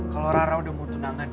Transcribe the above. kalau rara udah mau tunangan